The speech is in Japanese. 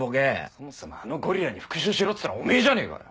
そもそもあのゴリラに復讐しろっつったのおめぇじゃねえかよ。